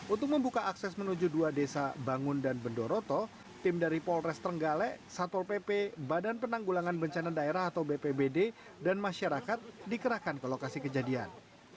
untuk membuka akses menuju dua desa bangun dan bendoroto tim dari polres trenggale satpol pp badan penanggulangan bencana daerah atau bpbd dan masyarakat dikerahkan ke lokasi kejadian